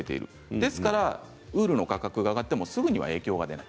ですからウールの価格が上がってもすぐには影響が出ない。